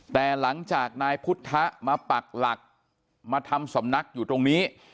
แต่หลังจากนายพุทธมาปักหลักมาทำสำนักอยู่ตรงนี้